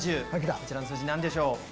こちらの数字何でしょう？